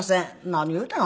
何を言うてんの？